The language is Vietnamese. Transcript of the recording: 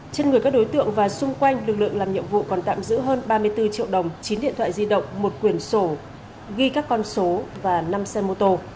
trên người các đối tượng và xung quanh lực lượng làm nhiệm vụ còn tạm giữ hơn ba mươi bốn triệu đồng chín điện thoại di động một quyển sổ ghi các con số và năm xe mô tô